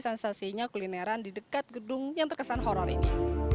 sensasinya kulineran di dekat gedung yang terkesan horror ini